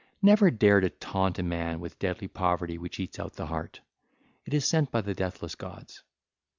(ll. 717 721) Never dare to taunt a man with deadly poverty which eats out the heart; it is sent by the deathless gods.